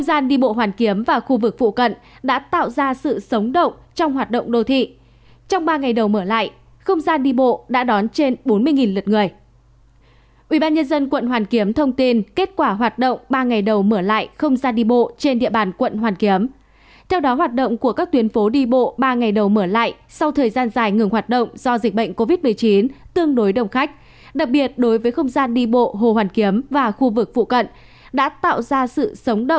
xin chào tất cả các bạn